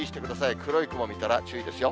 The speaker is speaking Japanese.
黒い雲見たら注意ですよ。